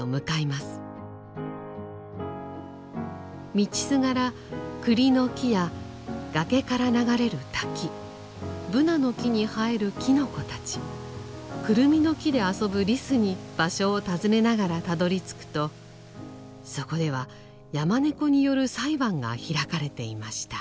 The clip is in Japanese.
道すがら栗の木や崖から流れる滝ぶなの木に生えるきのこたちくるみの木で遊ぶリスに場所を尋ねながらたどりつくとそこでは山猫による裁判が開かれていました。